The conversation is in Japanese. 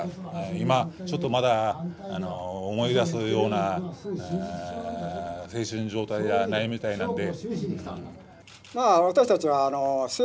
今ちょっとまだ思い出すような精神状態じゃないみたいなんで。